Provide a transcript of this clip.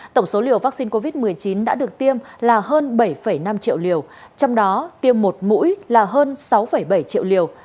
tổng số liều vaccine covid một mươi chín đã được tiêm là hơn bảy năm triệu liều trong đó tiêm một mũi là hơn sáu bảy triệu liều